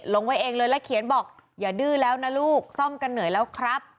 ลงไว้เองเลยแล้วเขียนบอกอย่าดื้อแล้วนะลูกซ่อมกันเหนื่อยแล้วครับ